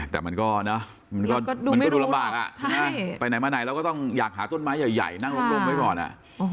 แต่มันก็นะมันก็ดูลำบากอ่ะใช่ไหมไปไหนมาไหนเราก็ต้องอยากหาต้นไม้ใหญ่นั่งลงไว้ก่อนอ่ะ